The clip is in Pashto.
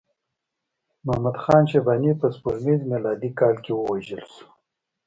محمد خان شیباني په سپوږمیز میلادي کال کې ووژل شو.